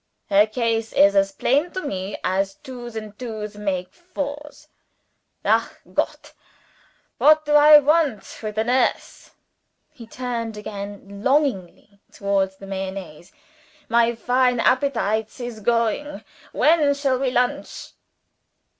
"Her case is as plain to me as twos and twos make fours. Ach Gott! what do I want with the nurse?" He turned again longingly towards the Mayonnaise. "My fine appetites is going! When shall we lonch?"